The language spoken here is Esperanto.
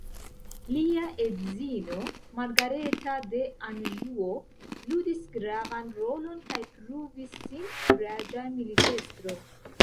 Lia edzino Margareta de Anĵuo ludis gravan rolon kaj pruvis sin kuraĝa militestro.